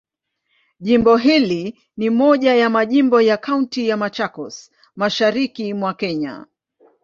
Jimbo hili ni moja ya majimbo ya Kaunti ya Machakos, Mashariki mwa Kenya.